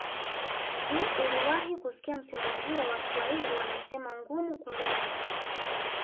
Je uliwahi kusikia msemo huu wa Waswahili wanasema ngumu kumeza